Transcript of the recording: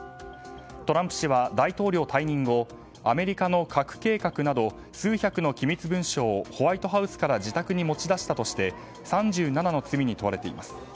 トランプ氏は、大統領退任後アメリカの核計画など数百の機密文書をホワイトハウスから自宅に持ち出したとして３７の罪に問われています。